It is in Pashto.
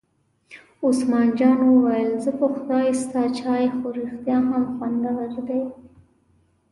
عثمان جان وویل: په خدای ستا چای خو رښتیا هم خوندور دی.